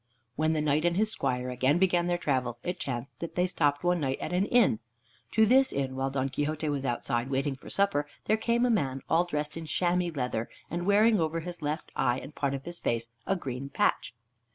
When the Knight and his squire again began their travels, it chanced that they stopped one night at an inn. To this inn, while Don Quixote was outside, waiting for supper, there came a man, all dressed in chamois leather, and wearing over his left eye, and part of his face, a green patch.